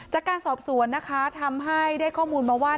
จากการสอบสวนนะคะทำให้ได้ข้อมูลมาว่า